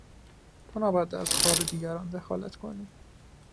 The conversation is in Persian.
تو نباید در کار دیگران دخالت کنی!